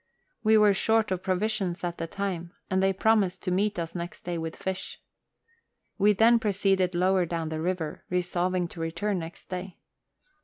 We were short of provisions at the time, and they pro mised to meet us next day with fish. We then proceeded lower down the river, resolving to return next day.